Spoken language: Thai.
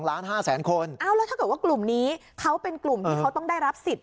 แล้วถ้าเกิดว่ากลุ่มนี้เขาเป็นกลุ่มที่เขาต้องได้รับสิทธิ์